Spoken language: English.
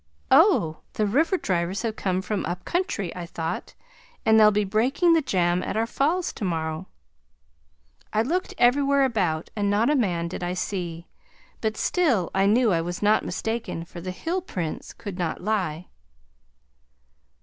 "Oh! The river drivers have come from up country," I thought, "and they'll be breaking the jam at our falls tomorrow." I looked everywhere about and not a man did I see, but still I knew I was not mistaken for the heelprints could not lie.